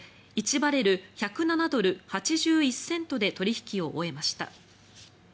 １バレル１０７ドル８１セントで取引を終えました。